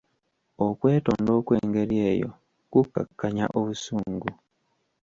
Okwetonda okwengeri eyo, kukkakanya obusungu.